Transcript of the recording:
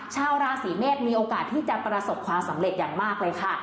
ชาวราศีเมษมีโอกาสที่จะประสบความสำเร็จอย่างมากเลยค่ะ